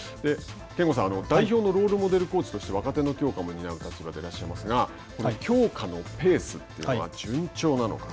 憲剛さん、代表のロールモデルコーチとして若手の強化も担う立場ですが強化のペースというのは順調なのか。